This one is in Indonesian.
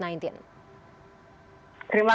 terima kasih mbak